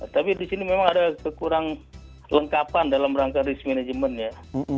tapi di sini memang ada kekurang lengkapan dalam rangka risk management ya